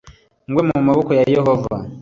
ngwe mu maboko ya Yehova